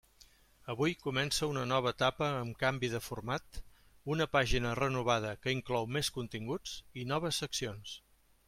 Avui comença una nova etapa amb canvi de format, una pàgina renovada que inclou més continguts i noves seccions.